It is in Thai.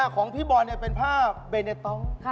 ของพี่บอลเนี่ยเป็นผ้าเบเนต้อง